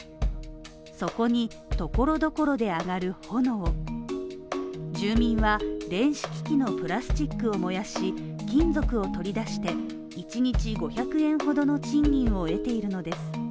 そこに所々で上がる炎住民は電子機器のプラスチックを燃やし、金属を取り出して、１日５００円ほどの賃金を得ているのです。